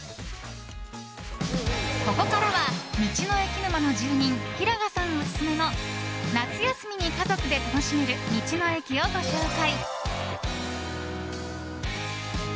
ここからは、道の駅沼の住人平賀さんオススメの夏休みに家族で楽しめる道の駅をご紹介。